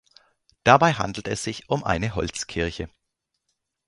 Dabei handelt es sich um eine Holzkirche.